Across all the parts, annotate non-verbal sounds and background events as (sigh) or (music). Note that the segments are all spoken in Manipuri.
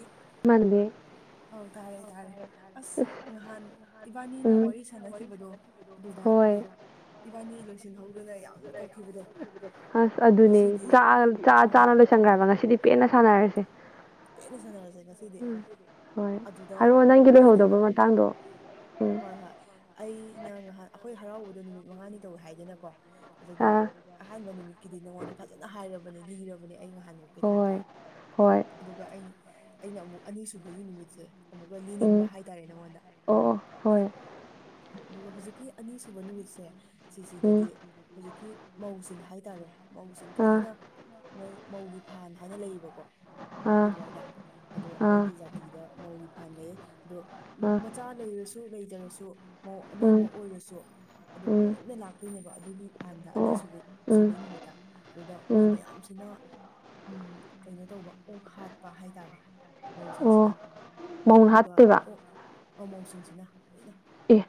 ꯏ ꯏꯃꯥꯟꯅꯕꯤ ꯑꯧ ꯇꯥꯔꯦ ꯇꯥꯔꯦ ꯑꯁ ꯉꯍꯥꯟ ꯏꯕꯥꯅꯤꯅ ꯎꯝ ꯋꯥꯔꯤ ꯁꯥꯟꯅꯈꯤꯕꯗꯣ ꯑꯗꯨꯗ ꯍꯣꯏ ꯏꯕꯥꯅꯤ ꯂꯣꯏꯁꯤꯟꯍꯧꯗꯅ ꯌꯥꯝ ꯑꯁ ꯑꯗꯨꯅꯦ ꯉꯁꯤꯗꯤ ꯆꯥꯛꯑ ꯆꯥ ꯑꯥ ꯆꯥꯅ ꯂꯣꯏꯁꯟꯒ꯭ꯔꯦ ꯍꯥꯏꯕ ꯉꯁꯤꯗꯤ ꯄꯦꯟꯅ ꯁꯥꯟꯅꯔꯁꯦ ꯄꯦꯟꯅ ꯁꯥꯟꯅꯔꯁꯦ ꯉꯁꯤꯗꯤ ꯎꯝ ꯍꯣꯏ ꯑꯗꯨꯗ ꯍꯥꯏꯔꯛꯑꯣ ꯅꯪꯒꯤ ꯑꯩꯅ ꯂꯣꯏꯍꯧꯗꯕ ꯉ- ꯃꯇꯥꯡꯗꯣ ꯎꯝ ꯍꯣꯏ ꯍꯣꯏ ꯑꯩꯅ ꯉꯍꯥꯟ ꯑꯩꯈꯣꯏ ꯍꯔꯥꯎꯕꯗꯣ ꯅꯨꯃꯤꯠ ꯃꯉꯥꯅꯤ ꯇꯧꯋꯦ ꯍꯥꯏꯗꯅꯀꯣ ꯑꯗꯨꯒ ꯑꯥ ꯑꯍꯥꯟꯕ ꯅꯨꯃꯤꯠꯀꯤꯗꯤ ꯅꯪꯉꯣꯟꯗ ꯐꯖꯅ ꯍꯥꯏꯔꯕꯅꯦ ꯂꯤꯔꯕꯅꯦ ꯑꯩ ꯉꯍꯥꯟꯃꯨꯛꯇ ꯍꯣꯏ ꯍꯣꯏ ꯑꯗꯨꯒ ꯑꯩꯅ ꯑꯩꯅ ꯑꯃꯨꯛ ꯑꯅꯤꯁꯨꯕꯒꯤ ꯅꯨꯃꯤꯠꯁꯦ ꯑꯃꯨꯛꯀ ꯎꯝ ꯂꯤꯅꯤꯡꯕ ꯍꯥꯏꯇꯥꯔꯦ ꯅꯪꯉꯣꯟꯗ ꯑꯣ ꯍꯣꯏ ꯑꯗꯨꯒ ꯍꯧꯖꯤꯛꯀꯤ ꯑꯅꯤꯁꯨꯕ ꯅꯨꯃꯤꯠꯁꯦ ꯎꯝ ꯁꯤꯁꯤꯗꯗꯤ ꯍꯧꯖꯤꯛꯀꯤ ꯃꯧꯁꯤꯡ ꯍꯥꯏꯇꯥꯔꯦ ꯃꯧꯁꯤꯡ ꯑꯥ ꯈꯩꯅ ꯃꯣꯏ ꯃꯧꯒꯤ ꯐꯥꯟ ꯍꯥꯏꯅ ꯂꯩꯌꯦꯕꯀꯣ ꯑꯩꯈꯣꯏ ꯑꯥ ꯑꯗꯨꯋꯥꯏꯗ ꯑꯗꯣ ꯑꯥ ꯑꯩꯈꯣꯏꯒꯤ ꯖꯥꯇꯤꯗ ꯃꯧꯒꯤ ꯐꯥꯟ ꯂꯩꯌꯦ ꯑꯗꯨ ꯑꯥ ꯃꯆꯥ ꯂꯩꯔꯁꯨ ꯂꯩꯇꯔꯁꯨ ꯑꯅꯧꯕ ꯎꯝ ꯑꯣꯏꯔꯁꯨ ꯑꯗꯨꯝ ꯎꯝ ꯂꯣꯏꯅ ꯂꯥꯛꯇꯣꯏꯅꯦꯕ ꯑꯗꯨꯒꯤ ꯐꯥꯟꯗ ꯑꯣ ꯑꯅꯤꯁꯨꯒꯦ ꯎꯝ ꯁꯨꯕꯩ ꯅꯨꯃꯤꯠꯇ ꯑꯗꯨꯗ ꯃꯣꯏ ꯎꯝ ꯃꯌꯥꯝꯁꯤꯅ ꯎ ꯀꯩꯅꯣ ꯇꯧꯕ ꯑꯣꯛ ꯍꯥꯠꯄ ꯍꯥꯏꯇꯥꯔꯦ ꯃꯧꯁꯤꯡꯁꯤꯅ ꯑꯣ ꯃꯧꯅ ꯑꯗꯨꯒ ꯍꯥꯞꯇꯣꯏꯕ ꯑꯣꯛ ꯃꯃꯧꯁꯤꯡꯁꯤꯅ ꯂꯣꯏꯅ ꯑꯦ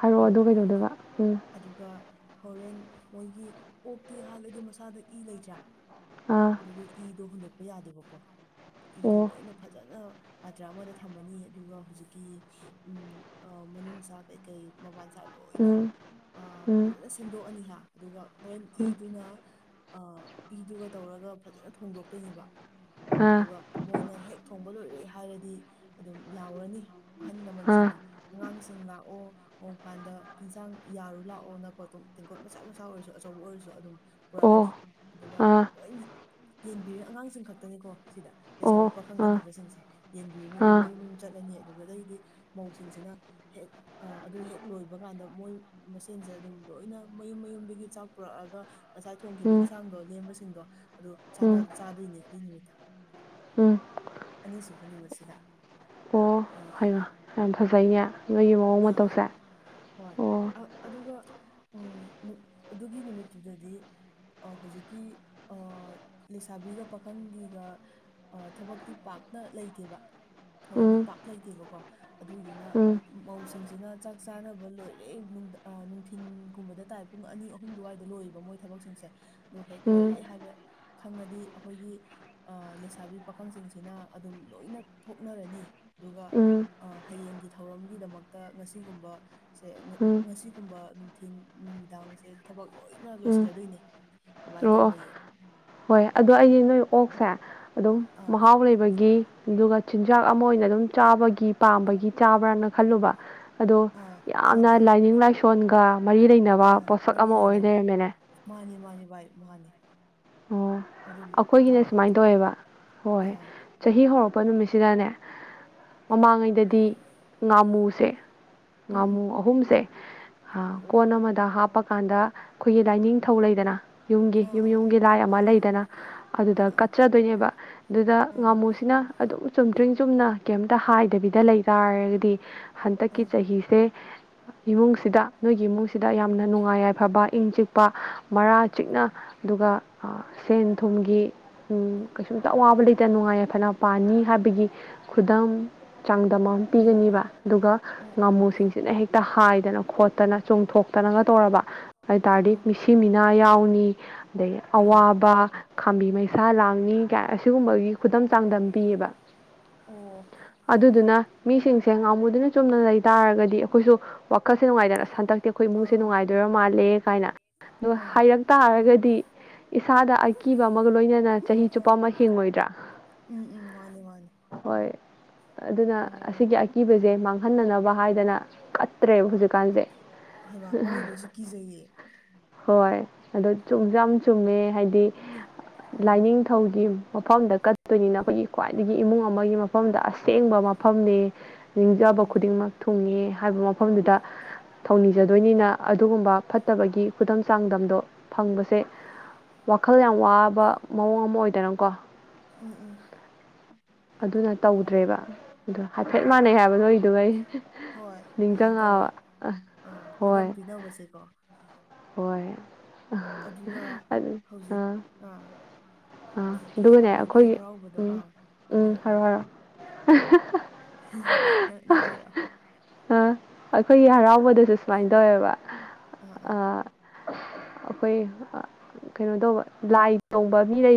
ꯍꯥꯏꯔꯛꯑꯣ ꯑꯧ ꯑꯗꯨ ꯀꯩꯗꯧꯗꯕ ꯎꯝ ꯑꯗꯨꯒ ꯍꯣꯔꯦꯟ ꯃꯣꯏꯒꯤ ꯑꯣꯛꯇꯤ ꯍꯥꯥꯟꯂꯗꯤ ꯃꯁꯥꯗ ꯏ ꯂꯩꯗ꯭ꯔꯥ ꯑꯥ ꯑꯗꯨꯒꯤ ꯏꯗꯣ ꯍꯨꯟꯗꯣꯛꯄ ꯌꯥꯗꯦꯕꯀꯣ ꯏꯗꯨꯣ ꯑꯣ ꯂꯣꯏꯅ ꯐꯖꯅ ꯄꯥꯇ꯭ꯔ ꯑꯃꯗ ꯊꯝꯃꯅꯤ ꯑꯗꯨꯒ ꯍꯧꯖꯤꯛꯀꯤ ꯎꯝ ꯃꯅꯨꯡꯁꯥ ꯀꯩꯀꯩ ꯃꯕꯥꯟꯁꯥ ꯂꯣꯏꯅ ꯎꯝ ꯎꯝ ꯐꯖꯅ ꯁꯦꯝꯗꯣꯛꯑꯅꯤꯍ ꯑꯗꯨꯒ ꯍꯣꯔꯦꯟ ꯎꯝ ꯏꯗꯨꯅ ꯏꯗꯨꯒ ꯇꯧꯔꯒ ꯐꯖꯅ ꯊꯣꯡꯗꯣꯛꯇꯣꯏꯅꯦꯕ ꯑꯥ ꯑꯗꯨꯒ ꯃꯣꯏꯅ ꯍꯦꯛ ꯊꯣꯡꯕ ꯂꯣꯏꯔꯦ ꯍꯥꯏꯔꯗꯤ ꯑꯗꯨꯝ ꯂꯥꯎꯔꯅꯤ ꯑꯍꯜ ꯑꯥ ꯂꯃꯟꯁꯤꯡꯅ ꯑꯉꯥꯡꯁꯤꯡ ꯂꯥꯛꯑꯣ ꯃꯣꯡ ꯐꯜꯗ ꯏꯟꯁꯥꯡ ꯌꯥꯔꯨ ꯂꯥꯛꯑꯣꯅꯀꯣ ꯇꯦꯡꯀꯣꯠ ꯃꯆꯥ ꯃꯆꯥ ꯑꯣꯏꯔꯁꯨ ꯑꯆꯧꯕ ꯑꯣꯏꯔꯁꯨ ꯑꯗꯨꯝ ꯑꯣ ꯄꯨꯔꯛꯑꯅꯤ ꯑꯗꯨꯒ ꯑꯥ ꯂꯣꯏ ꯌꯦꯟꯕꯤꯔꯦ ꯑꯉꯥꯡꯁꯤꯡ ꯈꯛꯇꯅꯤꯀꯣ ꯁꯤꯗ ꯂꯩꯁꯥꯕꯤ ꯑꯣ ꯄꯥꯈꯪ ꯑꯥ ꯅꯠꯇꯕꯁꯤꯡꯁꯦ ꯌꯦꯟꯕꯤꯔꯅꯤ ꯑꯗꯨ ꯑꯥ ꯃꯌꯨꯝ ꯃꯌꯨꯝ ꯆꯠꯂꯅꯤ ꯑꯗꯨꯒ ꯑꯗꯩꯗꯤ ꯃꯧꯁꯤꯡꯁꯤꯅ ꯍꯦꯛ ꯑꯗꯨ ꯍꯦꯛ ꯂꯣꯏꯕ ꯀꯥꯟꯗ ꯃꯣꯏ ꯃꯁꯦꯟꯁꯦ ꯑꯗꯨꯝ ꯂꯣꯏꯅ ꯃꯌꯨꯝ ꯃꯌꯨꯝꯗꯒꯤ ꯆꯥꯛ ꯄꯨꯔꯛꯑꯒ ꯉꯁꯥꯏ ꯊꯣꯡꯈꯤꯕ ꯎꯝ ꯏꯟꯁꯥꯡꯗꯣ ꯂꯦꯝꯕꯁꯤꯡꯗꯣ ꯑꯗꯨ ꯎꯝ ꯆꯥꯗꯣꯏꯅꯦ ꯑꯗꯨꯏ ꯅꯨꯃꯤꯠꯇ ꯎꯝ ꯑꯅꯤꯁꯨꯕ ꯅꯨꯃꯛꯣꯠ ꯁꯤꯗ ꯑꯣ ꯍꯩꯃꯥ ꯌꯥꯝ ꯐꯖꯩꯅꯦ ꯅꯣꯏꯒꯤ ꯃꯑꯣꯡ ꯃꯇꯧꯁꯦ ꯍꯣꯏ ꯑꯣ ꯑꯗꯨꯒ ꯎꯝ ꯑꯗꯨꯒꯤ ꯅꯨꯃꯤꯠꯇꯨꯗꯗꯤ ꯍꯧꯖꯤꯛꯀꯤ ꯑ ꯂꯩꯁꯥꯕꯤꯒ ꯄꯥꯈꯪꯒꯤꯒ ꯑ ꯊꯕꯛꯇꯤ ꯄꯥꯛꯅ ꯂꯩꯇꯦꯕ ꯊꯧꯔꯝ ꯎꯝ ꯄꯥꯛ ꯂꯩꯇꯦꯕꯀꯣ ꯑꯗꯨꯒꯤꯗꯨꯅ ꯎꯝ ꯃꯧꯁꯤꯡꯁꯤꯅ ꯆꯥꯛ ꯆꯥꯅꯕ ꯂꯣꯏꯔꯦ ꯅꯨꯡꯊꯤꯟꯒꯨꯝꯕꯗ ꯇꯥꯏ ꯄꯨꯡ ꯑꯅꯤ ꯑꯍꯨꯝ ꯑꯗꯨꯋꯥꯏꯗ ꯂꯣꯏꯌꯦꯕ ꯃꯣꯏ ꯊꯕꯛꯁꯤꯡꯁꯦ ꯑꯗꯨ ꯍꯦꯛ ꯂꯣꯏꯔꯦ ꯎꯝ ꯍꯥꯏꯕ ꯈꯪꯉꯗꯤ ꯑꯩꯈꯣꯏꯒꯤ ꯂꯩꯁꯥꯕꯤ ꯄꯥꯈꯪꯁꯤꯡꯁꯤꯅ ꯑꯗꯨꯝ ꯂꯣꯏꯅ ꯊꯣꯛꯅꯔꯅꯤ ꯑꯗꯨꯒ ꯎꯝ ꯍꯌꯦꯡꯒꯤ ꯊꯧꯔꯝꯒꯤꯗꯃꯛꯇ ꯉꯁꯤꯒꯨꯝꯕ ꯁꯦ ꯎꯝ ꯉꯁꯤꯒꯨꯝꯕ ꯅꯨꯡꯊꯤꯟ ꯅꯨꯅꯨꯡꯃꯤꯗꯥꯡꯁꯦ ꯊꯕꯛ ꯂꯣꯏꯅ ꯎꯝ ꯂꯣꯏꯁꯤꯜꯂꯗꯣꯏꯅꯦ (unintelligible) ꯑꯣ ꯑꯣ ꯇꯧꯅꯩꯌꯦ ꯍꯣꯏ ꯑꯗꯣ ꯑꯩꯁ ꯅꯣꯏ ꯑꯣꯛꯁꯦ ꯑꯗꯨꯝ ꯑꯥ ꯑꯥ ꯌꯦꯟ ꯄꯥꯝꯕꯒꯤ ꯃꯍꯥꯎ ꯂꯩꯕꯒꯤ ꯑꯗꯨꯒ ꯆꯤꯟꯖꯥꯛ ꯑꯃ ꯑꯣꯏꯅ ꯑꯗꯨꯝ ꯆꯥꯕꯒꯤ ꯄꯥꯝꯕꯒꯤ ꯆꯥꯕ꯭ꯔꯅ ꯈꯜꯂꯨꯕ ꯑꯗꯣ ꯌꯥꯝꯅ ꯂꯥꯏꯅꯤꯡ ꯂꯥꯏꯁꯣꯟꯒ ꯃꯔꯤ ꯂꯩꯅꯕ ꯑꯥ ꯄꯣꯠꯁꯛ ꯃꯔꯤ ꯑꯃ ꯑꯣꯏ ꯂꯩꯅꯕ ꯂꯩꯔꯝꯃꯦꯅꯦ ꯃꯥꯅꯤ ꯃꯥꯅꯤ ꯚꯥꯏ ꯃꯥꯅꯤ ꯑꯗꯨꯝ ꯑꯩꯈꯣꯏꯒꯤꯅꯦ ꯊ- ꯁꯨꯃꯥꯏꯅ ꯊ- ꯇꯧꯋꯦꯕ ꯑꯩꯈꯣꯏꯒꯤꯅ ꯁꯨꯃꯥꯏꯅ ꯇꯧꯋꯦꯕ ꯍꯣꯏ ꯑꯥ ꯆꯍꯤ ꯍꯧꯔꯛꯄ ꯅꯨꯃꯤꯠꯁꯤꯗꯅꯦ ꯃꯃꯥꯡꯉꯩꯗꯗꯤ ꯉꯥꯃꯨꯁꯦ ꯎꯝ ꯎꯝ ꯉꯥꯃꯨ ꯑꯍꯨꯝꯁꯦ ꯑꯍꯨꯝꯁꯦ ꯎꯝ ꯀꯣꯟ ꯑꯃꯗ ꯍꯥꯞꯄꯀꯥꯟꯗ ꯑꯩꯈꯣꯏꯒꯤ ꯂꯥꯏꯅꯤꯡꯊꯧ ꯂꯩꯗꯅ ꯌꯨꯝꯒꯤ ꯌꯨꯝ ꯌꯨꯝꯒꯤ ꯂꯥꯏ ꯑꯃ ꯂꯩꯗꯅ ꯑꯗꯨꯗ ꯀꯠꯆꯗꯣꯏꯅꯦꯕ ꯑꯗꯨꯗ ꯉꯥꯃꯨꯁꯤꯅ ꯑꯗꯨꯝ ꯆꯨꯝꯗ꯭ꯔꯤꯡ ꯆꯨꯝꯅ ꯀꯩꯝꯇ ꯍꯥꯏꯗꯕꯤꯗ ꯂꯩ ꯇꯥꯔꯒꯗꯤ ꯍꯟꯗꯛꯀꯤ ꯆꯍꯤꯁꯦ ꯏꯃꯨꯡꯁꯤꯗ ꯅꯣꯏꯒꯤ ꯏꯃꯨꯡꯁꯤꯗ ꯌꯥꯝꯅ ꯅꯨꯡꯉꯥꯏ ꯌꯥꯏꯐꯕ ꯏꯪ ꯆꯤꯛꯄ ꯃꯔꯥ ꯆꯤꯛꯅ ꯑꯗꯨꯒ ꯁꯦꯟ ꯊꯨꯝꯒꯤ ꯀꯩꯁꯨꯝꯇ ꯑꯋꯥꯕ ꯂꯩꯇ ꯅꯨꯡꯉꯥꯏ ꯌꯥꯏꯐꯅ ꯄꯥꯅꯤ ꯍꯥꯏꯕꯒꯤ ꯈꯨꯗꯝ ꯆꯥꯡꯗꯝ ꯑꯃ ꯇꯧꯔꯕ ꯄꯤꯒꯅꯤꯕ ꯑꯗꯨꯒ ꯉꯥꯃꯨꯁꯤꯡꯁꯤꯅ ꯍꯦꯛꯇ ꯍꯥꯏ ꯍꯥꯏꯗꯅ ꯈꯣꯠꯇꯅ ꯆꯨꯝꯊꯣꯛꯇꯅꯒ ꯇꯧꯔꯕ ꯍꯥꯏ ꯇꯥꯔꯗꯤ ꯃꯤꯁꯤ ꯃꯤꯅꯥ ꯌꯥꯎꯅꯤ ꯑꯗꯒꯤ ꯑꯩꯃ ꯑꯋꯥꯕ ꯈꯥꯝꯕꯤ ꯃꯩꯁꯥ ꯂꯥꯡꯅꯤ ꯀꯌꯥ ꯑꯁꯤꯒꯨꯝꯕꯒꯤ ꯈꯨꯗꯝ ꯆꯥꯡꯗꯝ ꯄꯤꯌꯦꯕ ꯑꯣ ꯑꯗꯨꯗꯨꯅ ꯃꯤꯁꯤꯡꯁꯦ ꯉꯥꯃꯨꯗꯨꯅ ꯆꯨꯝꯅ ꯂꯩꯇꯥꯥꯔꯒꯗꯤ ꯗꯤ ꯑꯩꯈꯣꯏꯁꯨ ꯋꯥꯈꯜꯁꯦ ꯅꯨꯡꯉꯥꯏꯗꯅ ꯍꯟꯗꯛꯇꯤ ꯑꯩꯈꯣꯏ ꯑꯥ ꯏꯃꯨꯡꯁꯦ ꯑꯥ ꯅꯨꯡꯉꯥꯏꯗꯣꯏꯔꯥ ꯃꯥꯜꯂꯦ ꯀꯥꯏꯅ ꯑ ꯑꯥ ꯍꯥꯏꯔꯛ ꯇꯥꯔꯒꯗꯤ ꯏꯁꯥꯗ ꯑꯀꯤꯕ ꯑꯃꯒ ꯂꯣꯏꯅꯅ ꯑꯥ ꯆꯍꯤ ꯆꯨꯞꯄ ꯑꯥ ꯑꯃ ꯍꯤꯡꯉꯣꯏꯗ꯭ꯔꯥ ꯎꯝ ꯎꯝ ꯃꯥꯅꯦ ꯃꯥꯅꯦ ꯍꯣꯏ ꯑꯗꯨꯅ ꯑꯣ ꯑꯁꯤꯒꯤ ꯑꯀꯤꯕꯁꯦ ꯃꯥꯡꯍꯟꯅꯅꯕ ꯍꯥꯏꯗꯅ ꯑꯠꯇꯦ ꯍꯧꯖꯤꯛꯀꯥꯟꯁꯦ ꯍꯣꯏꯕ ꯑꯋꯣꯏꯕꯒꯤꯁꯨ ꯀꯤꯖꯩꯌꯦ ꯍꯣꯏ ꯑꯗꯣ ꯆꯨꯝꯁꯨ ꯌꯥꯝ ꯆꯨꯝꯃꯦ ꯍꯥꯏꯗꯤ ꯎꯝ ꯂꯥꯏꯅꯤꯡꯊꯧꯒꯤ ꯃꯐꯝꯗ ꯀꯠꯇꯣꯏꯅꯤꯅ ꯑꯩꯈꯣꯏꯒꯤ ꯈ꯭ꯋꯥꯏꯗꯒꯤ ꯏꯃꯨꯡ ꯑꯃꯒꯤ ꯃꯐꯝ ꯃꯐꯝꯗ ꯑꯁꯦꯡꯕ ꯃꯐꯝꯅꯤ ꯅꯤꯡꯖꯕ ꯎꯝ ꯈꯨꯗꯤꯡꯃꯛ ꯊꯨꯡꯉꯦ ꯍꯥꯏꯕ ꯃꯐꯝꯗꯨꯗ ꯊꯧꯅꯤꯖꯗꯣꯏꯅꯤꯅ ꯑꯗꯨꯒꯨꯝꯕ ꯐꯠꯇꯕꯒꯤ ꯈꯨꯗꯝ ꯆꯥꯡꯗꯝꯗꯣ ꯐꯪꯕꯁꯦ ꯃꯈꯜ ꯌꯥꯝ ꯋꯥꯕ ꯃꯑꯣꯡ ꯑꯃ ꯑꯣꯏꯗꯅꯀꯣ ꯎꯝ ꯎꯝ ꯑꯗꯨꯅ ꯑꯣ ꯇꯧꯗ꯭ꯔꯦꯕ ꯑꯗꯨ ꯍꯥꯏꯐꯦꯠ ꯑꯣ ꯃꯥꯟꯅꯩ ꯍꯥꯏꯕꯗꯣꯗꯨꯒ ꯑꯩ ꯅꯤꯡꯇꯉꯛꯑꯕ ꯑ ꯑ ꯈꯨꯗꯝ ꯄꯤꯅꯕꯁꯦꯀꯣ ꯍꯣꯏ ꯑꯗꯨꯒ ꯑꯗꯨ ꯍꯧꯖꯤꯛ ꯑꯥ ꯑꯥ ꯍꯧꯖꯤꯛꯀꯤ ꯑꯗꯨꯒꯅꯦ ꯑꯩꯈꯣꯏꯒꯤ ꯍꯔꯥꯎꯕꯗꯣ ꯑꯥ ꯍꯥꯏꯔꯛꯑꯣ ꯍꯥꯏꯔꯣ ꯑ ꯅꯪ ꯅꯪ ꯍꯥꯏꯔꯛꯑꯣ ꯑ ꯑꯩꯈꯣꯏꯒꯤ ꯍꯔꯥꯎꯕꯗꯁꯨ ꯁꯨꯃꯥꯏꯅ ꯇꯧꯋꯦꯕ ꯑꯥ ꯑꯥ ꯑ ꯑꯩꯈꯣꯏ ꯀꯩꯅꯣ ꯇꯧꯕ ꯂꯥꯏ ꯇꯣꯡꯕ ꯃꯤ ꯂꯩ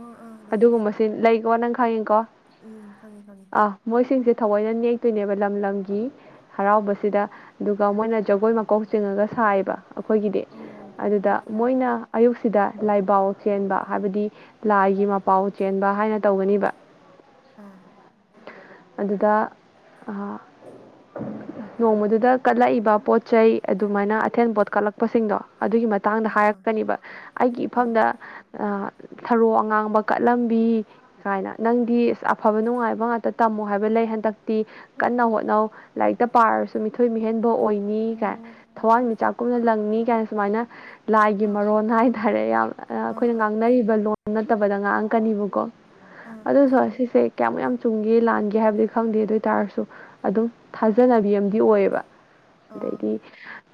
ꯑꯥ ꯑꯥ ꯂꯩꯌꯦ ꯂꯩ ꯑꯗꯨꯒꯣ ꯅ ꯈꯉꯣ ꯎꯝ ꯈꯪꯉꯦ ꯈꯪꯉꯦ ꯃꯣꯏꯁꯤꯡꯁꯦ ꯊꯑꯣꯏꯅ ꯅꯦꯛꯇꯣꯏꯅꯦꯕ ꯂꯝ ꯂꯝꯒꯤ ꯍꯔꯥꯎꯕꯁꯤꯗ ꯑꯗꯨꯒ ꯒ ꯃꯣꯏꯅ ꯖꯒꯣꯏ ꯃꯀꯣꯛ ꯆꯤꯡꯉꯒ ꯁꯥꯏꯌꯦꯕ ꯑꯩꯈꯣꯏꯒꯤꯗꯤ ꯑꯣ ꯑꯗꯨꯗ ꯎꯝ ꯎꯝ ꯃꯣꯏꯅ ꯑꯌꯨꯛꯁꯤꯗ ꯂꯥꯏꯕꯥꯎ ꯆꯦꯟꯕ ꯍꯥꯏꯕꯗꯤ ꯂꯥꯏꯒꯤ ꯃꯥ ꯄꯥꯎ ꯆꯦꯟꯕ ꯍꯥꯏꯅ ꯇꯧꯒꯅꯤꯕ ꯑꯥ ꯑꯗꯨꯗ ꯅꯣꯡꯃꯗꯨꯗ ꯀꯠꯂꯛꯏꯕ ꯄꯣꯠ ꯆꯩ ꯑꯗꯨꯃꯥꯏꯅ ꯑꯊꯦꯟ ꯄꯣꯠ ꯀꯠꯂꯛꯄꯁꯤꯡꯗꯣ ꯑꯗꯨꯒꯤ ꯃꯇꯥꯡꯗ ꯑꯥ ꯑꯥ ꯍꯥꯏꯔꯛꯀꯅꯤꯕ ꯑꯩꯒꯤ ꯑꯥ ꯏꯐꯝꯗ ꯊꯔꯣ ꯑꯉꯥꯡꯕ ꯀꯠꯂꯝꯕꯤ ꯀꯥꯏꯅ ꯅꯪꯗꯤ ꯑꯐꯥꯕ ꯅꯨꯡꯉꯥꯏꯕ ꯉꯥꯛꯇ ꯇꯝꯃꯨ ꯍꯥꯏꯕ ꯂꯩ ꯍꯟꯗꯛꯇꯤ ꯀꯟꯅ ꯍꯣꯠꯅꯧ ꯂꯥꯏꯔꯤꯛꯇ ꯄꯥꯔꯁꯨ ꯃꯤꯊꯣꯏ ꯃꯤꯍꯦꯟꯕ ꯑꯣꯏꯅꯤ ꯀꯥꯏ ꯑꯣ ꯊꯋꯥꯟꯃꯤꯆꯥꯛ ꯀꯨꯝꯅ ꯂꯪꯅꯤ ꯀꯥꯏꯅ ꯁꯨꯃꯥꯏꯅ ꯂꯥꯏꯒꯤ ꯑꯥ ꯑꯥ ꯃꯔꯣꯟ ꯍꯥꯏꯇꯥꯔꯦ ꯌꯥꯝ ꯑꯥ ꯑꯥ ꯑꯩꯈꯣꯏꯅ ꯉꯥꯡꯅꯔꯤꯕ ꯂꯣꯟ ꯅꯠꯇꯕꯗ ꯉꯥꯡꯀꯅꯤꯕꯀꯣ ꯑꯥ ꯑꯗꯨꯁꯨ ꯑꯁꯤꯁꯦ ꯀꯌꯥꯃꯨꯛ ꯌꯥꯝ ꯆꯨꯝꯒꯦ ꯂꯥꯟꯒꯦ ꯍꯥꯏꯕꯗꯤ ꯈꯪꯗꯦ ꯑꯗꯨ ꯑꯣꯏꯇꯥꯔꯁꯨ ꯑꯗꯨꯝ ꯊꯥꯖꯅꯕꯤ ꯑꯃꯗꯤꯝ ꯑꯣꯏꯌꯦꯕ ꯑꯥ ꯑꯗꯩꯗꯤ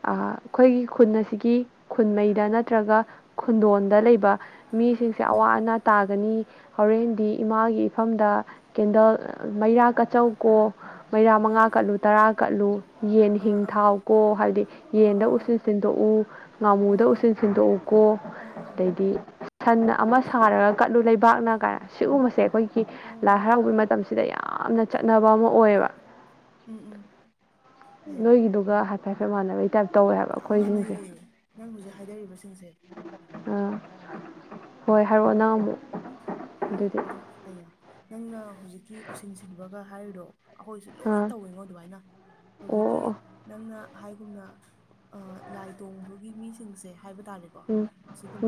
ꯑꯩꯈꯣꯏꯒꯤ ꯈꯨꯟ ꯑꯁꯤꯒꯤ ꯈꯨꯟꯃꯩꯗ ꯅꯠꯇ꯭ꯔꯒ ꯈꯨꯟꯗꯣꯟꯗ ꯂꯩꯕ ꯃꯤꯁꯤꯡꯁꯦ ꯑꯋꯥ ꯑꯅꯥ ꯇꯥꯒꯅꯤ ꯍꯣꯔꯦꯟꯗꯤ ꯏꯃꯥꯒꯤ ꯏꯐꯝꯗ ꯀꯦꯟꯗꯜ ꯃꯩꯔꯥ ꯀꯆꯧꯀꯣ ꯃꯩꯔꯥ ꯑꯥ ꯃꯉꯥ ꯀꯠꯂꯨ ꯇꯔꯥ ꯀꯠꯂꯨ ꯌꯦꯟ ꯑꯥ ꯍꯤꯡ ꯑꯥ ꯊꯥꯎꯀꯣ ꯍꯥꯏꯗꯤ ꯑꯥ ꯌꯦꯟꯗ ꯑꯥ ꯑꯥ ꯎꯁꯤꯟ ꯁꯤꯟꯗꯣꯛꯎ ꯑꯥ ꯉꯥꯃꯨꯗ ꯑꯥ ꯎꯁꯤꯟ ꯁꯤꯟꯗꯣꯛꯎꯀꯣ ꯑꯥ ꯑꯥ ꯑꯗꯩꯗꯤ ꯑꯃ ꯁꯥꯔꯒ ꯀꯠꯂꯨ ꯂꯩꯕꯥꯛꯅ ꯀꯥꯏꯅ ꯁꯤꯒꯨꯝꯕꯁꯦ ꯑꯩꯈꯣꯏꯒꯤ ꯂꯥꯏ ꯑꯣ ꯍꯔꯥꯎ ꯇꯈꯤꯕ ꯃꯇꯝꯁꯤꯗ ꯌꯥꯝꯅ ꯆꯠꯅꯕ ꯑꯃ ꯑꯣꯏꯌꯦꯕ ꯎꯝ ꯎꯝ ꯑꯌꯥ ꯅꯣꯏꯒꯤꯗꯨꯒ ꯍꯥꯏꯐꯦꯠ ꯍꯥꯏꯐꯦꯠ ꯃꯥꯟꯅꯕꯩ ꯇꯥꯏꯞ ꯇꯧꯋꯦ ꯍꯥꯏꯕ ꯌꯥꯝ ꯑꯩꯈꯣꯏꯁꯤꯡꯁꯦ ꯃꯥꯟꯅꯩꯌꯦ ꯅꯪ ꯍꯧꯖꯤꯛ ꯍꯥꯏꯗꯔꯤꯕꯁꯤꯡꯁꯦ ꯑꯥ ꯍꯣꯏ ꯍꯥꯏꯔꯛꯑꯣ ꯅꯪ ꯑꯃꯨꯛ ꯑꯗꯨꯗꯤ ꯑꯗꯨ ꯑꯌꯥ ꯅꯪꯅ ꯍꯧꯖꯤꯛꯀꯤ ꯎꯁꯤꯟ ꯁꯤꯟꯕꯒ ꯍꯥꯏꯔꯤꯗꯣ ꯑꯩꯈꯣꯏꯁꯨ ꯂꯣꯏ ꯑꯥ ꯇꯧꯋꯤꯉꯣ ꯑꯗꯨꯃꯥꯏꯅ ꯑꯣ ꯍꯧꯖꯤꯛꯀꯤ ꯑꯣ ꯑꯣ ꯅꯪꯅ ꯍꯥꯏꯒꯨꯝꯅ ꯂꯥꯏ ꯇꯣꯡꯕꯒꯤ ꯃꯤꯁꯤꯡꯁꯦ ꯍꯥꯏꯕ ꯇꯥꯔꯦꯅꯦ ꯀꯣ ꯎꯝ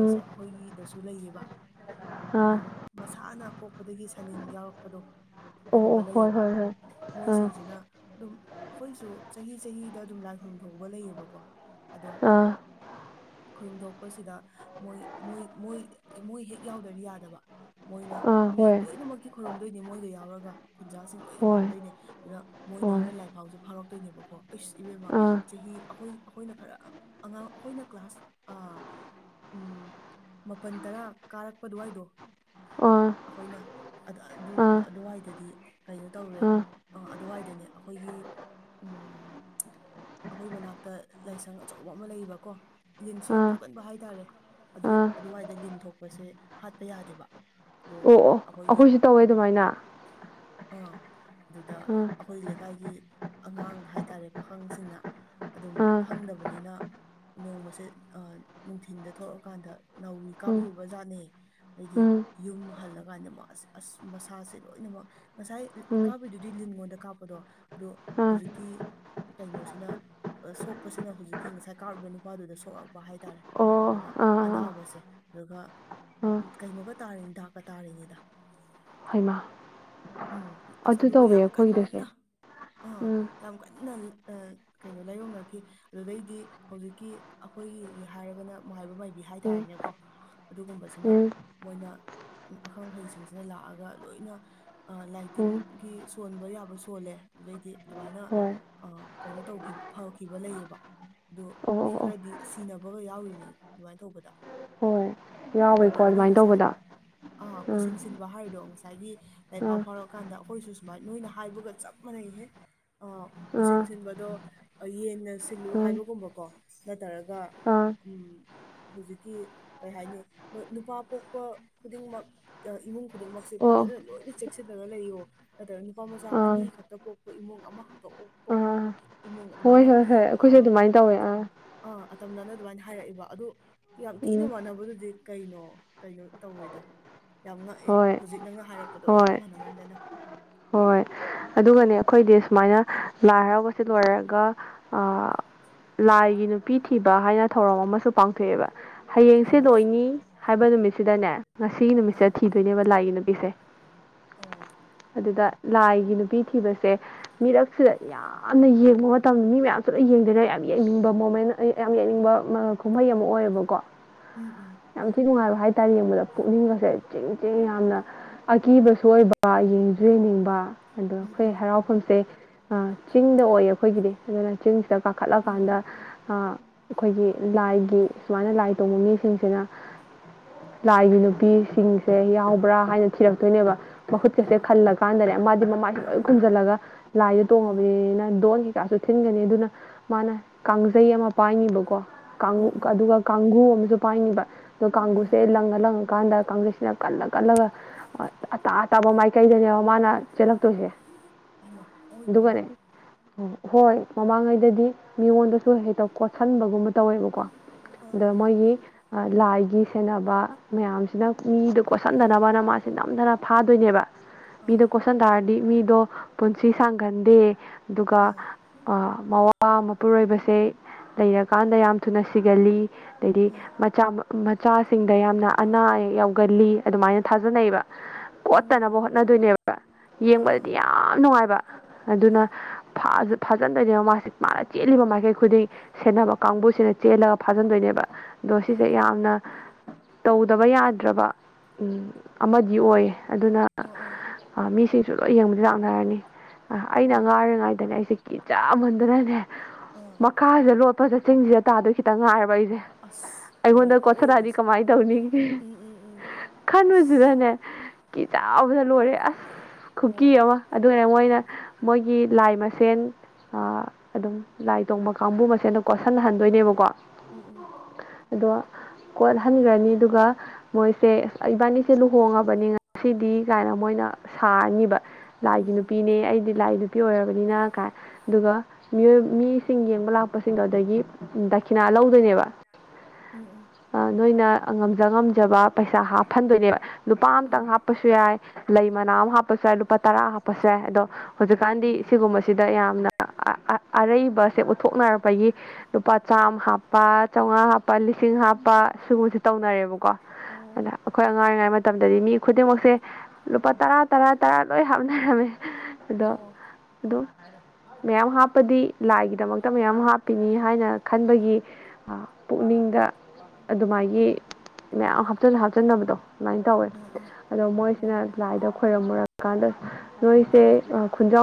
ꯎꯝ ꯑꯩꯈꯣꯏꯒꯤꯗꯁꯨ ꯂꯩꯔꯤꯕꯌꯦꯕ ꯑꯥ ꯑꯗꯨꯝ ꯃꯁꯥꯅ ꯄꯣꯛꯄꯗꯒꯤ ꯁꯅꯤꯟ ꯌꯥꯎꯔꯛꯄꯗꯣ ꯑꯣ ꯑꯗꯨꯒꯨꯝꯕ ꯑꯣ ꯍꯣꯏ ꯂꯩꯌꯦꯕ ꯍꯣꯏ ꯃꯣꯏꯁꯤꯡꯁꯤꯅ ꯑꯗꯨꯝ ꯑꯩꯈꯣꯏꯁꯨ ꯆꯍꯤ ꯆꯍꯤꯗ ꯑꯗꯨꯝ ꯂꯥꯏ ꯈꯨꯔꯨꯝꯊꯧꯕ ꯂꯩꯌꯦꯕꯀꯣ ꯑꯗꯣ ꯍꯣꯏ ꯑꯥ ꯑꯥ ꯈꯨꯔꯨꯝꯊꯣꯛꯄꯁꯤꯗ ꯃꯣꯏ ꯃꯣꯏ ꯃꯣꯏ ꯃꯣꯏ ꯍꯦꯛ ꯌꯥꯎꯗ꯭ꯔꯗꯤ ꯌꯥꯗꯕ ꯃꯣꯏꯅ ꯑꯥ ꯃꯤ ꯍꯣꯏ ꯂꯣꯏꯅꯃꯛꯇꯤ ꯈꯣꯏꯔꯨꯝꯝꯗꯣꯏꯅꯦ ꯃꯣꯏꯗ ꯌꯥꯎꯔꯒ ꯈꯨꯟꯖꯥꯁꯤꯡ ꯂꯣꯏꯅ ꯍꯣꯏ ꯈꯨꯣꯏꯔꯨꯝꯗꯣꯏꯅꯦ ꯑꯗꯨꯗ ꯃꯣꯏꯅ ꯍꯣꯏ ꯍꯣꯔꯦꯟ ꯂꯥꯏꯐꯥꯎꯁꯨꯦ ꯐꯥꯎꯔꯛꯇꯣꯏꯅꯦꯕꯀꯣ ꯑꯩꯁ ꯏꯕꯦꯝꯃꯥ ꯑꯥ ꯆꯍꯤ ꯑꯩꯈꯣꯏ ꯑꯩꯈꯣꯏꯅ ꯈꯔ ꯑꯉꯥꯡ ꯑꯩꯈꯣꯏꯅ ꯀ꯭ꯂꯥꯁ ꯑꯥ ꯎꯝ ꯃꯥꯄꯜ ꯇꯔꯥ ꯀꯥꯔꯛꯄ ꯑꯗꯨꯋꯥꯏꯗꯣ ꯑꯥ ꯑꯩꯈꯣꯏꯅ ꯑꯗꯨ ꯑꯥ ꯑꯗꯨꯋꯥꯏꯗꯗꯤ ꯀꯩꯅꯣ ꯇꯧꯔꯦ ꯑꯥ ꯑ ꯑꯗꯨꯋꯥꯏꯗꯅꯦ ꯑꯩꯈꯣꯏꯒꯤ ꯎꯝ ꯎꯝ ꯑꯩꯈꯣꯏ ꯃꯅꯥꯛꯇ ꯂꯥꯏꯁꯪ ꯑꯆꯧꯕ ꯑꯃ ꯂꯩꯌꯦꯕꯀꯣ ꯂꯤꯟꯁꯨ ꯌꯥꯝ ꯑꯥ ꯊꯣꯛꯀꯟꯕ ꯍꯥꯏꯇꯥꯔꯦ ꯑꯗꯨ ꯑꯥ ꯑꯗꯨꯋꯥꯏꯗ ꯂꯤꯟ ꯊꯣꯛꯄꯁꯦ ꯍꯥꯠꯄ ꯌꯥꯗꯦꯕ ꯑꯣ ꯑꯩꯈꯣꯏꯒꯤ ꯑꯩꯈꯣꯏꯁꯨ ꯇꯧꯋꯦ ꯑꯗꯨꯃꯥꯏꯅ ꯑꯥ ꯑꯗꯨꯗ ꯑꯥ ꯑꯩꯈꯣꯏ ꯂꯩꯀꯥꯏꯒꯤ ꯑꯉꯥꯡ ꯍꯥꯏꯇꯥꯔꯦ ꯄꯥꯈꯪꯁꯤꯡꯅ ꯑꯗꯨꯝ ꯑꯥ ꯈꯪꯗꯕꯅꯤꯅ ꯅꯣꯡꯃꯁꯦ ꯅꯨꯡꯊꯤꯤꯟꯗ ꯊꯣꯛꯂꯛꯑꯀꯥꯟꯗ ꯅꯧꯔꯤ ꯎꯝ ꯀꯥꯞꯔꯨꯕ ꯖꯥꯠꯅꯩ ꯑꯗꯩꯗꯤ ꯎꯝ ꯌꯨꯝ ꯍꯜꯂꯀꯥꯟꯗ ꯑꯁ ꯑꯁ ꯃꯁꯥꯁꯦ ꯂꯣꯏꯅꯃꯛ ꯉꯁꯥꯏ ꯎꯝ ꯀꯥꯞꯄꯤꯗꯨꯗꯤ ꯂꯤꯟꯉꯣꯟꯗ ꯀꯥꯞꯄꯗꯣ ꯑꯗꯣ ꯑꯥ ꯍꯧꯖꯤꯛꯀꯤ ꯀꯩꯅꯣꯁꯤꯅ ꯁꯣꯛꯄꯁꯤꯅ ꯍꯧꯖꯤꯛꯀꯤ ꯉꯁꯥꯏ ꯀꯥꯔꯨꯕ ꯅꯨꯄꯥꯗꯨꯗ ꯁꯣꯛꯂꯛꯄ ꯍꯥꯏꯇꯥꯔꯦ ꯑꯣ ꯑꯗꯨꯗ ꯑꯥ ꯑꯥ ꯑꯅꯥꯎꯕꯁꯦ ꯑꯗꯨꯒ ꯑꯥ ꯀꯩꯅꯣꯒ ꯇꯥꯔꯤꯅꯤ ꯗꯥꯛꯀ ꯇꯥꯔꯤꯅꯤꯗ ꯍꯩꯃ ꯎꯝ ꯑꯁ ꯑꯗꯨꯒ ꯌꯥꯝ ꯑꯩꯈꯣꯏꯒꯤꯗꯁꯨ ꯀꯟꯅ ꯑꯥ ꯎꯝ ꯌꯥꯝ ꯀꯟꯅ ꯀꯩꯅꯣ ꯂꯥꯏꯌꯡꯅꯈꯤ ꯑꯗꯨꯗꯩꯗꯤ ꯍꯧꯖꯤꯛꯀꯤ ꯑꯩꯈꯣꯏꯒꯤꯒꯤ ꯍꯥꯏꯔꯒꯅ ꯃꯥꯏꯕ ꯃꯥꯏꯕꯤ ꯎꯝ ꯍꯥꯏꯇꯥꯔꯦꯅꯦꯀꯣ ꯑꯗꯨꯒꯨꯝꯕꯁꯤꯅ ꯎꯝ ꯃꯣꯏꯅ ꯑꯈꯪ ꯑꯍꯩꯁꯤꯡꯁꯤꯅ ꯂꯥꯛꯑꯒ ꯂꯣꯏꯅ ꯂꯥꯏ ꯎꯝ ꯇꯤꯟꯒꯤ ꯁꯣꯟꯕ ꯌꯥꯕ ꯁꯣꯜꯂꯦ ꯑꯗꯨꯗꯩꯗꯤ ꯑꯗꯨꯃꯥꯏꯅ ꯍꯣꯏ ꯑ ꯀꯩꯅꯣ ꯇꯧꯈꯤꯕ ꯐꯥꯈꯤꯕ ꯂꯩꯌꯦꯕ ꯑꯗ ꯑꯣ ꯃꯤ ꯑꯣ ꯑꯣ ꯈꯔꯗꯤ ꯁꯤꯅꯕꯒ ꯌꯥꯎꯔꯤꯅꯤ ꯑꯗꯨꯃꯥꯏꯅ ꯇꯧꯕꯗ ꯍꯣꯏ ꯌꯥꯎꯕꯣꯏ ꯑꯗꯨꯒ ꯄꯣ ꯑꯩꯈꯣꯏ ꯃꯥꯥꯏ ꯑꯥ ꯎꯆ ꯁꯤꯟꯕ ꯍꯥꯏꯔꯤꯗꯣ ꯉꯁꯥꯏꯒꯤ ꯂꯩꯐꯥꯎ ꯎꯝ ꯐꯥꯎꯔꯛꯑꯀꯥꯟꯗ ꯑꯩꯈꯣꯏꯁꯨ ꯁꯨꯃꯥꯏꯅ ꯅꯣꯏꯅ ꯍꯥꯏꯕꯒ ꯆꯞ ꯃꯥꯟꯅꯩ ꯍꯦꯛ ꯎꯆꯁꯤꯟ ꯎꯝ ꯁꯤꯟꯕꯗꯣ ꯌꯦꯟꯅ ꯁꯤꯜꯂꯨ ꯎꯝ ꯍꯥꯏꯕꯒꯨꯝꯕꯀꯣ ꯅꯠꯇ꯭ꯔꯒ ꯑꯥ ꯍꯧꯖꯤꯛꯀꯤ ꯀꯩ ꯍꯥꯏꯅꯤ ꯅꯨꯄꯥ ꯄꯣꯛꯄ ꯈꯨꯗꯤꯡꯃꯛ ꯏꯃꯨꯡ ꯈꯨꯗꯤꯡꯃꯛꯁꯦ ꯑꯣ ꯐꯖꯅ ꯂꯣꯏꯅ ꯆꯦꯛꯁꯤꯜꯂꯒ ꯂꯩꯌꯣ ꯅꯠꯇ꯭ꯔꯒ ꯅꯨꯄꯥ ꯃꯆꯥ ꯑꯥ ꯑꯅꯤ ꯈꯛꯇ ꯄꯣꯛꯄ ꯏꯃꯨꯡ ꯑꯃꯈꯛꯇꯣꯛ ꯑꯥ ꯏꯃꯨꯡ ꯍꯣꯏ ꯑꯗꯨꯃꯥꯏꯅ ꯍꯣꯏ ꯍꯣꯏ ꯑ ꯑꯩꯈꯣꯏꯁꯨ ꯑꯗꯨꯃꯥꯏꯅ ꯇꯧꯋꯦ ꯑꯥ ꯑꯥ ꯑꯇꯝꯅꯅ ꯑꯗꯨꯃꯥꯏꯅ ꯍꯥꯏꯔꯛꯏꯕ ꯑꯗꯨ ꯌꯥꯝ ꯊꯤꯅ ꯎꯝ ꯃꯥꯟꯅꯕꯗꯨꯗꯤ ꯀꯩꯅꯣ ꯀꯩꯅꯣ ꯇꯧꯋꯦꯗ ꯌꯥꯝ ꯉꯛꯑꯦ ꯍꯣꯏ ꯍꯧꯖꯤꯛ ꯅꯪꯅ ꯍꯥꯏꯔꯛꯄꯗꯣ ꯌꯥꯝ ꯍꯣꯏ ꯃꯅꯃꯟꯗꯅ ꯍꯣꯏ ꯑꯗꯨꯒꯅꯦ ꯑꯩꯈꯣꯏꯗꯤ ꯁꯨꯃꯥꯏꯅ ꯂꯥꯏ ꯍꯔꯥꯎꯁꯦ ꯂꯣꯏꯔꯒ ꯂꯥꯏꯒꯤ ꯅꯨꯄꯤ ꯊꯤꯕ ꯍꯥꯏꯅ ꯊꯧꯔꯝ ꯑꯃꯁꯨ ꯄꯥꯡꯊꯣꯛꯑꯦꯕ ꯍꯌꯦꯡꯁꯦ ꯑꯍꯩꯃꯥꯗꯨꯁꯨ ꯂꯣꯏꯅꯤ ꯍꯥꯏꯕ ꯅꯨꯃꯤꯠꯁꯤꯗꯅꯦ ꯉꯁꯤ ꯅꯨꯃꯤꯠꯁꯦ ꯑꯥ ꯊꯤꯗꯣꯏꯅꯦꯕ ꯂꯥꯏꯒꯤ ꯅꯨꯄꯤꯁꯦ ꯑꯣ ꯑꯗꯨꯗ ꯂꯥꯏꯒꯤ ꯅꯨꯄꯤ ꯊꯤꯕꯁꯦ ꯃꯤꯔꯛꯁꯤꯗ ꯌꯥꯝ ꯌꯥꯝꯅ ꯌꯦꯡꯕ ꯃꯇꯝꯗ ꯃꯤ ꯃꯌꯥꯝꯁꯨ ꯂꯣꯏ ꯌꯦꯡꯗꯣꯏꯅ ꯌꯥꯝ ꯌꯦꯡꯅꯤꯡꯕ ꯃꯣꯃꯦꯟ ꯌꯥꯝ ꯌꯦꯡꯅꯤꯡꯕ ꯀꯨꯝꯍꯩ ꯑꯃ ꯑꯣꯏꯌꯦꯕꯀꯣ ꯎꯝ ꯎꯝ ꯌꯥꯝ ꯊꯤ ꯅꯨꯡꯉꯥꯏꯕ ꯍꯥꯏꯇꯥꯥꯔꯦ ꯌꯦꯡꯕꯗ ꯄꯨꯛꯅꯤꯡꯒꯁꯦ ꯆꯤꯡ ꯆꯤꯡ ꯌꯥꯝꯅ ꯑꯀꯤꯕꯁꯨ ꯑꯣꯏꯕ ꯌꯦꯡꯁꯨ ꯌꯦꯡꯅꯤꯡꯕ ꯑꯗꯣ ꯎꯝ ꯑꯩꯈꯣꯏ ꯎꯝ ꯍꯔꯥꯎꯐꯝꯁꯦ ꯑꯥ ꯆꯤꯡꯗ ꯑꯣꯏꯌꯦ ꯑꯩꯈꯣꯏꯒꯤꯗꯤ ꯑꯗꯨꯅ ꯆꯤꯡꯁꯤꯗ ꯑꯣ ꯀꯥꯈꯠꯂꯀꯥꯟꯗ ꯑꯥ ꯑꯩꯈꯣꯏꯒꯤ ꯂꯥꯏꯒꯤ ꯁꯨꯃꯥꯏꯅ ꯂꯥꯏ ꯇꯣꯡꯕ ꯃꯤꯁꯤꯡꯁꯤꯅ ꯂꯥꯏꯒꯤ ꯅꯨꯄꯤꯁꯤꯡꯁꯦ ꯌꯥꯎꯕ꯭ꯔꯥ ꯍꯥꯏꯅ ꯊꯤꯔꯛꯇꯣꯏꯅꯦꯕ ꯃꯍꯨꯠꯀꯁꯦ ꯑꯣ ꯈꯜꯂ ꯀꯥꯟꯗꯅꯦ ꯃꯥꯗꯤ ꯥꯃꯥꯏꯁꯦ ꯂꯣꯏ ꯑꯣ ꯈꯨꯝꯖꯜꯂꯒ ꯂꯥꯏꯗ ꯎꯝ ꯇꯣꯡꯉꯦꯅ ꯗꯣꯟ ꯀꯩꯀꯥꯁꯨ ꯊꯤꯟꯒꯅꯤ ꯑꯗꯨꯅ ꯃꯥꯅ ꯀꯥꯡꯖꯩ ꯑꯃ ꯄꯥꯏꯅꯤꯕ ꯀꯣ ꯀꯥꯡ ꯎꯝ ꯎꯝ ꯑꯗꯨꯒ ꯀꯥꯡꯒꯨ ꯑꯃꯁꯨ ꯄꯥꯏꯅꯤꯕ ꯑꯗꯣ ꯎꯝ ꯀꯥꯡꯒꯨꯁꯦ ꯂꯪꯉ ꯂꯪꯉꯀꯥꯟꯗ ꯀꯥꯡꯖꯩꯁ ꯁꯤꯅ ꯀꯜꯂ ꯀꯜꯂꯒ ꯑꯇꯥ ꯑꯇꯥꯕ ꯃꯥꯏꯀꯩꯗꯅꯦꯕ ꯃꯥꯅ ꯆꯦꯜꯂꯛ ꯍꯩꯃ ꯑꯑꯣꯏꯕꯩꯔꯣ ꯑꯣ ꯍꯣꯏ ꯃꯃꯥꯡꯉꯩꯗꯗꯤ ꯃꯤꯉꯣꯟꯗꯁꯨ ꯍꯦꯛꯇ ꯀꯣꯠꯁꯟꯕꯒꯨꯝꯕ ꯇꯧꯋꯦꯕꯀꯣ ꯑꯥ ꯑꯥ ꯢꯒꯤ ꯑ ꯂꯥꯏꯒꯤ ꯁꯦꯟꯅꯕ ꯃꯌꯥꯝꯁꯤꯅ ꯃꯤꯗ ꯀꯣꯠꯁꯟꯗꯅꯕꯅ ꯃꯥꯁꯦ ꯅꯝꯗꯅ ꯐꯥꯗꯣꯏꯅꯦꯕ ꯑꯥ ꯃꯤꯗꯣ ꯀꯣꯏꯁꯟ ꯇꯥꯔꯥ ꯗꯤ ꯃꯤꯗꯣ ꯄꯨꯟꯁꯤ ꯁꯥꯡꯒꯟꯗꯦ ꯑꯥ ꯑꯗꯨꯒ ꯑꯥ ꯑ ꯃꯋꯥ ꯃꯄꯨꯔꯣꯏꯕꯁꯦ ꯂꯩꯔꯀꯥꯟꯗ ꯌꯥꯝ ꯊꯨꯅ ꯁꯤꯒꯜꯂꯤ ꯑꯗꯩꯗꯤ ꯃꯆꯥ ꯃꯆꯥꯁꯤꯡꯗ ꯌꯥꯝꯅ ꯑꯅꯥ ꯑꯌꯦꯛ ꯌꯥꯎꯒꯜꯂꯤ ꯑꯗꯨꯃꯥꯏꯅ ꯊꯥꯖꯅꯩꯌꯦꯕ ꯑꯣ ꯀꯣꯠꯇꯅꯕ ꯍꯣꯠꯅꯗꯣꯏꯅꯦꯕ ꯑꯥ ꯑꯥ ꯌꯦꯡꯕꯗꯗꯤ ꯌꯥꯝ ꯅꯨꯡꯉꯥꯏꯕ ꯑꯥ ꯑꯗꯨꯅ ꯐꯥꯖꯨ ꯐꯥꯖꯤꯟꯗꯣꯏꯅꯦꯕ ꯃꯥꯁꯤ ꯃꯥꯅ ꯆꯦꯜꯂꯤꯕ ꯃꯥꯏꯀꯩ ꯈꯨꯗꯤꯡ ꯁꯦꯟꯅꯕ ꯀꯥꯡꯕꯨꯁꯤꯅ ꯆꯦꯜꯂꯒ ꯐꯥꯖꯟꯗꯣꯏꯅꯦꯕ ꯑꯗꯣ ꯁꯤꯁꯦ ꯑꯣ ꯌꯥꯝꯅ ꯇꯧꯗꯕ ꯌꯥꯗ꯭ꯔꯕ ꯎꯝ ꯑꯃꯗꯤ ꯑꯣꯏꯌꯦ ꯑꯗꯨꯅ ꯑꯣ ꯑꯣ ꯑ ꯃꯤꯁꯤꯡꯁꯨ ꯂꯣꯏ ꯌꯦꯡꯕ ꯂꯥꯛ ꯔꯅꯤ ꯑ ꯑꯩꯅ ꯑꯣ ꯑꯉꯥꯡ ꯑꯣꯏꯔꯤꯉꯩꯗꯅꯦ ꯑꯩꯁꯦ ꯀꯤꯖꯥꯃꯟꯗꯅꯅꯦ ꯑꯥ ꯃꯈꯥꯗ ꯂꯣꯠꯄꯗ ꯆꯤꯡꯖꯤꯗ ꯇꯥꯗꯣꯏ ꯈꯤꯇꯪ ꯉꯥꯏꯔꯕ ꯑꯩꯖꯦ ꯑꯁ ꯂꯣꯏ ꯑꯩꯉꯣꯟꯗ ꯀꯣꯠꯁꯤꯜꯂꯛꯑꯗꯤ ꯑꯑꯣꯏꯕꯁꯦ ꯀꯃꯥꯏ ꯇꯧꯅꯤ ꯎꯝ ꯎꯝ ꯎꯝ ꯑꯁ ꯈꯟꯕꯖꯤꯗꯅꯦ ꯀꯤꯖꯕꯗ ꯂꯣꯏꯔꯦ ꯑꯁ ꯑꯣ ꯈꯨꯀꯤ ꯑꯃ ꯑꯗꯨꯅ ꯃꯣꯏꯅ ꯃꯣꯏꯒꯤ ꯂꯥꯏ ꯃꯁꯦꯟ ꯑꯥ ꯑꯗꯨꯝ ꯂꯥꯏ ꯇꯣꯡꯕ ꯀꯥꯡꯕꯨ ꯃꯁꯦꯟ ꯎꯝ ꯀꯣꯁꯜꯍꯟꯗꯣꯏꯅꯦꯕꯀꯣ ꯎꯝ ꯎꯝ ꯑꯗꯣ ꯀꯣꯠꯍꯟꯒ꯭ꯔꯅꯤ ꯑꯗꯨꯒ ꯃꯣꯏꯁꯦ ꯏꯕꯥꯅꯤ ꯁꯦ ꯂꯨꯍꯣꯡꯉꯕꯅꯤ ꯉꯁꯤꯗꯤ ꯀꯥꯏꯅ ꯃꯣꯏꯅ ꯁꯥꯔꯅꯤ ꯕ ꯎꯝ ꯎꯝ ꯂꯥꯏꯒꯤ ꯅꯨꯄꯤꯅꯦ ꯑꯩꯗꯤ ꯂꯥꯏ ꯄꯤ ꯑꯣꯏꯔꯕꯅꯤꯅ ꯀꯥꯏ ꯑꯗꯨꯒ ꯃꯤꯑꯣ ꯃꯤꯁꯤꯡ ꯌꯦꯡꯕ ꯂꯥꯛꯄꯁꯤꯡꯗꯣ ꯑꯗꯒꯤ ꯗꯈꯤꯅꯥ ꯂꯧꯗꯣꯏꯅꯦꯕ ꯎꯝ ꯎꯝ ꯑꯥ ꯅꯣꯏꯅ ꯑ ꯉꯝꯖ ꯉꯝꯖꯕ ꯄꯩꯁꯥ ꯍꯥꯞꯐꯟꯗꯣꯏꯅꯦꯕ ꯂꯨꯄꯥ ꯎꯝ ꯑꯝꯇꯪ ꯍꯥꯞꯄꯁꯨ ꯌꯥꯏ ꯂꯩ ꯃꯅꯥ ꯑꯃ ꯍꯥꯞꯄꯁꯨ ꯌꯥꯏ ꯂꯨꯄꯥ ꯇꯔꯥ ꯍꯥꯞꯄꯁꯨ ꯌꯥꯏ ꯑꯗꯣ ꯍꯧꯖꯤꯛꯀꯥꯟꯗꯤ ꯎꯝ ꯁꯤꯒꯨꯝꯕꯁꯤꯗ ꯌꯥꯝꯅ ꯑꯥ ꯑꯥ ꯑꯔꯩꯕꯁꯦ ꯎꯠꯊꯣꯛꯅꯔꯛꯄꯒꯤ ꯂꯨꯄꯥ ꯆꯥꯝ ꯍꯥꯞꯄ ꯆꯧꯉꯥ ꯍꯥꯞꯄ ꯂꯤꯁꯤꯡ ꯍꯥꯞꯄ ꯁꯤꯒꯨꯝꯁꯦ ꯇꯧꯅꯔꯦꯕꯀꯣ ꯑꯗ ꯑꯣ ꯑꯩꯈꯣꯏ ꯑꯉꯥꯡ ꯑꯣꯏꯔꯤꯉꯩ ꯃꯇꯝꯗꯗꯤ ꯃꯤ ꯈꯨꯗꯤꯡꯃꯛꯁꯦ ꯂꯨꯄꯥ ꯇꯔꯥ ꯇꯔꯥ ꯇꯔꯥ ꯂꯣꯏ ꯍꯥꯞꯅꯔꯝꯃꯦ ꯑꯗꯣ ꯑꯣ ꯑꯗꯨꯝ ꯃꯌꯥꯝ ꯍꯥꯞꯄꯗꯤ ꯂꯥꯏꯒꯤꯗꯃꯛꯇ ꯃꯌꯥꯝ ꯍꯥꯞ ꯄꯤꯅꯤ ꯍꯥꯏꯅ ꯈꯟꯕꯒꯤ ꯄꯨꯛꯅꯤꯡꯗ ꯑꯗꯨꯃꯥꯏꯒꯤ ꯃꯌꯥꯝ ꯍꯥꯞꯆꯜ ꯍꯥꯞꯆꯟꯅꯕꯗꯣ ꯑꯗꯨꯃꯥꯏꯅ ꯇꯧꯋꯦ ꯑꯥ ꯑꯥ ꯑꯗꯣ ꯃꯣꯏꯁꯤꯅ ꯑꯣ ꯂꯥꯏꯗ ꯈꯣꯏꯔꯝꯃꯨꯔꯀꯥꯟꯗ ꯅꯣꯏꯁꯦ ꯈꯨꯟꯖꯥꯎ